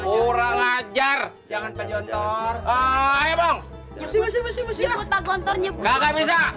orang ajar jangan penjontor ayo bong siap siap siap siap kagak bisa